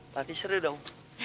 lati seru dong